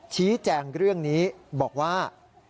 ชี้แจงเรื่องนี้บอกว่า